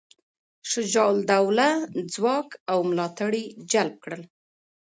شجاع الدوله ځواک او ملاتړي جلب کړل.